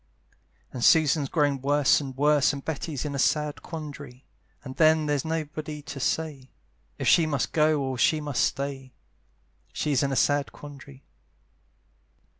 And Susan's growing worse and worse, And Betty's in a sad quandary; And then there's nobody to say If she must go or she must stay: She's in a sad quandary.